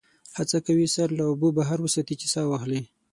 هڅه کوي سر له اوبو بهر وساتي چې سا واخلي.